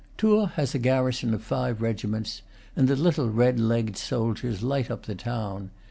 Tours has a garrison of five regiments, and the little red legged soldiers light up the town.